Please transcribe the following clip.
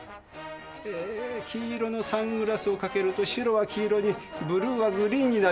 えー黄色のサングラスをかけると白は黄色にブルーはグリーンになります。